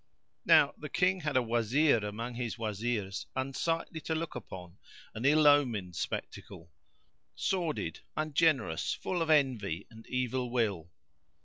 [FN#85] Now the King had a Wazir among his Wazirs, unsightly to look upon, an ill omened spectacle; sordid, ungenerous, full of envy and evil will.